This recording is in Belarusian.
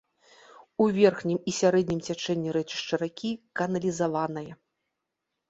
У верхнім і сярэднім цячэнні рэчышча ракі каналізаванае.